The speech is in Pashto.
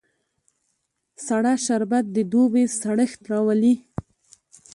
سړه شربت د دوبی سړښت راولي